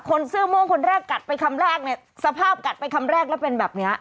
เสื้อม่วงคนแรกกัดไปคำแรกเนี่ยสภาพกัดไปคำแรกแล้วเป็นแบบเนี้ย